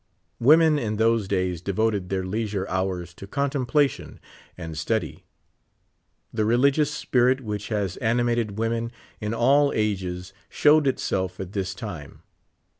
Women in those da3^s devoted their leisure hours to contemplation and study. The religious spirit which has animated women in all ages showed itself at this time.